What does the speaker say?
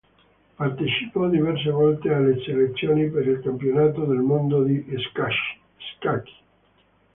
Partecipò diverse volte alle selezioni per il campionato del mondo di scacchi.